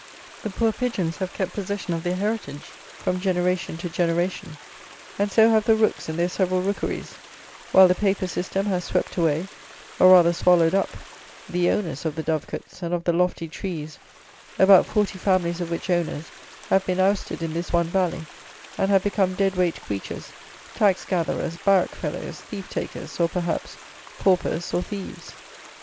The poor pigeons have kept possession of their heritage, from generation to generation, and so have the rooks, in their several rookeries, while the paper system has swept away, or rather swallowed up, the owners of the dove cotes and of the lofty trees, about forty families of which owners have been ousted in this one Valley, and have become dead weight creatures, tax gatherers, barrack fellows, thief takers, or, perhaps, paupers or thieves.